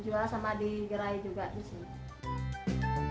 dijual sama di gerai juga disini